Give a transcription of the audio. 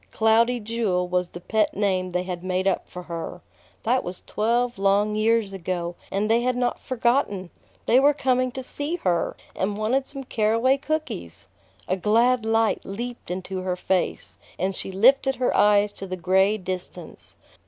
"Cloudy Jewel" was the pet name they had made up for her. That was twelve long years ago, and they had not forgotten! They were coming to see her, and wanted some caraway cookies! A glad light leaped into her face, and she lifted her eyes to the gray distance.